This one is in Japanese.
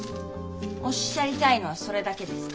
おっしゃりたいのはそれだけですか？